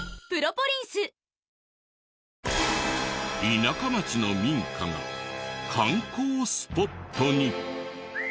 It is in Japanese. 田舎町の民家が観光スポットに！？